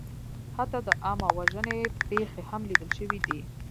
حتی د عامهوژنې پېښې هم لیدل شوې دي.